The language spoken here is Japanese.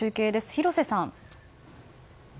広瀬さん。